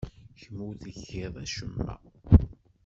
Kemm ur tgiḍ acemma.